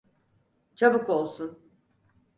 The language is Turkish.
Çabuk olsun.